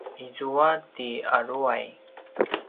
izua ti aruway?